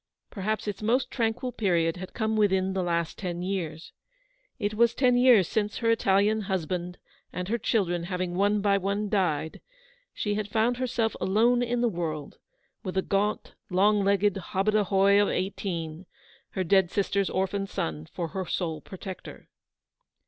Perhaps its most tranquil period had come within the last ten years. It was ten years since, MRS. BANNISTER HOLDS OUT A HELPING HAND. 193 her Italian husband and her children having one by one died, she had found herself alone in the world, with a gaunt, long legged hobadahoy of eighteen, her dead sister's orphan son, for her sole protector.